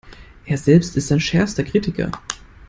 Er selbst ist sein schärfster Kritiker.